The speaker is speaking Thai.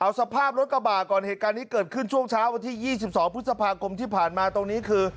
เอาสภาพรถกระบาดก่อนเหตุการณ์นี้เกิดขึ้นช่วงเช้าวันที่๒๒พฤษภาคมที่ผ่านมาตรงนี้คือ